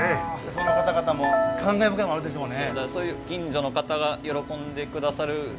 その方々も感慨深いものあるでしょうね。